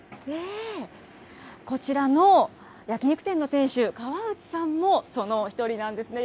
こちらの焼き肉店の店主、河内さんもそのお一人なんですね。